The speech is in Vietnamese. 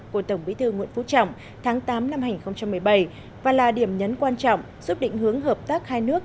của tổng bí thư nguyễn phú trọng tháng tám năm hai nghìn một mươi bảy và là điểm nhấn quan trọng giúp định hướng hợp tác hai nước